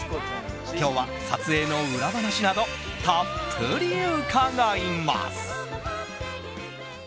今日は、撮影の裏話などたっぷり伺います。